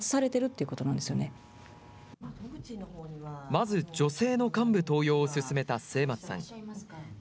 まず、女性の幹部登用を進めた末松さん。